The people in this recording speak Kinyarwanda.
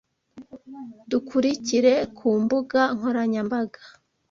Dukurikire ku mbuga nkoranyambaga